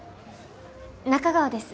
仲川です